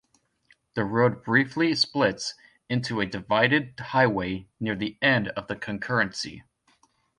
The road briefly splits into a divided highway near the end of the concurrency.